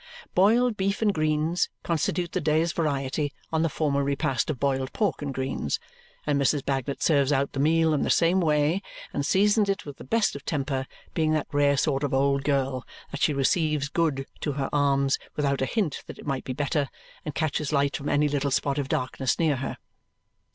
Boiled beef and greens constitute the day's variety on the former repast of boiled pork and greens, and Mrs. Bagnet serves out the meal in the same way and seasons it with the best of temper, being that rare sort of old girl that she receives Good to her arms without a hint that it might be Better and catches light from any little spot of darkness near her.